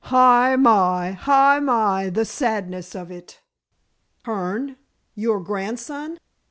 Hai mai! Hai mai! the sadness of it." "Hearne your grandson?"